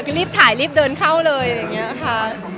ก็รีบถ่ายรีบเดินเข้าเลยหรือยังเงี้ยค่ะ